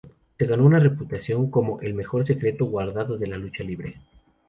Se ganó una reputación como "el mejor secreto guardado de la lucha libre".